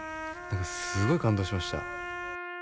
何かすごい感動しました。